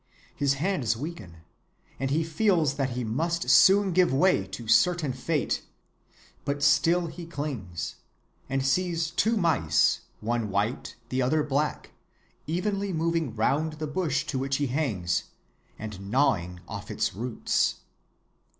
His hands weaken, and he feels that he must soon give way to certain fate; but still he clings, and sees two mice, one white, the other black, evenly moving round the bush to which he hangs, and gnawing off its roots.